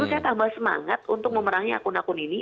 terus saya tambah semangat untuk memerangnya akun akun ini